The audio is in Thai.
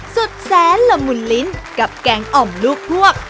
สุดแสนละมุนลิ้นกับแกงอ่อมลูกพวก